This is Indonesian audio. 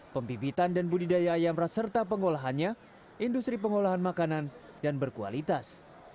pembibitan dan budidaya ayam ras serta pengolahannya industri pengolahan makanan dan berkualitas